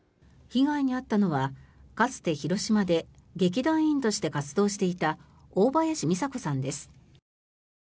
被害に遭ったのはかつて広島で劇団員として活動していた大林三佐子さんです。